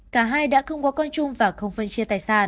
cả hai đã không có con chung và không phân chia tài xa